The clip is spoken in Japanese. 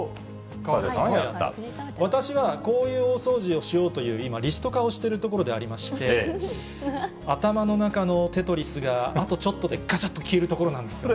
私はこういうお掃除をしようという今、リスト化をしているところでありまして、頭の中のテトリスがあとちょっとでがちゃっと消えるところなんですよね。